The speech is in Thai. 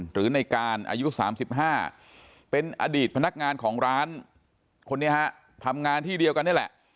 หรือในการอายุ๓๕เป็นอดีตพนักงานของร้านคนนี้ฮะทำงานที่เดียวกันนี่แหละ